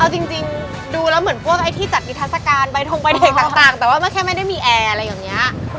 เอาจริงดูแล้วเหมือนพวกไอ้ที่จัดนิทัศกาลใบทงใบเด็กต่างแต่ว่ามันแค่ไม่ได้มีแอร์อะไรอย่างนี้